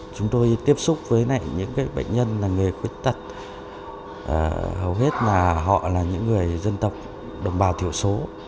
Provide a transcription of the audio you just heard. chúng tôi tiếp xúc với những bệnh nhân là người khuyết tật hầu hết là họ là những người dân tộc đồng bào thiểu số